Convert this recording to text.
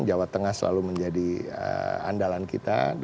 jawa tengah selalu menjadi andalan kita